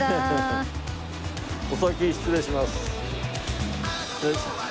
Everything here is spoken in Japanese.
お先失礼します。